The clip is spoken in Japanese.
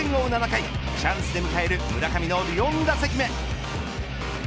７回チャンスで迎える村上の４打席目。